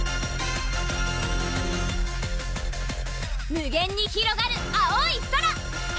無限にひろがる青い空！